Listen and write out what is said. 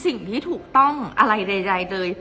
เพราะในตอนนั้นดิวต้องอธิบายให้ทุกคนเข้าใจหัวอกดิวด้วยนะว่า